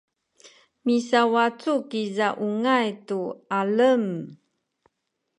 misawacu kiza ungay tu alem